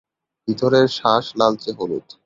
ভিতরের শাঁস লালচে হলুদ।